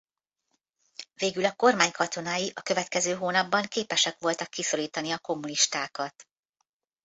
Végül a kormány katonái a következő hónapban képesek voltak kiszorítani a kommunistákat.